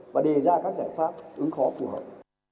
và đề ra các giải pháp ứng phó phù hợp